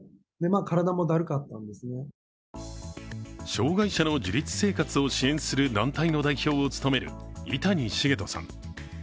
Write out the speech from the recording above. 障害者の自立生活を支援する団体の代表を務める井谷重人さん。